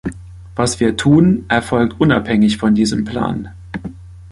Was wir tun, erfolgt unabhängig von diesem Plan.